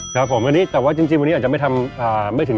ครับผมตอนนี้แต่จริงอาจจะไม่ทำอะไรถึง๑